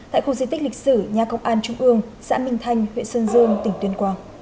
tại khu di tích lịch sử nhà công an trung ương xã minh thanh huyện sơn dương tỉnh tuyên quang